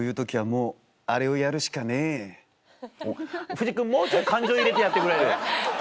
藤木君もうちょっと感情入れてやってくれる？